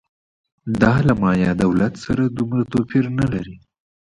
دا له مایا دولت سره دومره توپیر نه لري